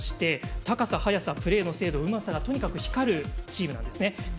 高さ、速さ、プレーの精度うまさがとにかく光るチームなんですね。